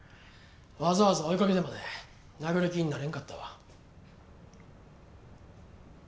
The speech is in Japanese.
わざわざ追いかけてまで殴る気になれんかったわ。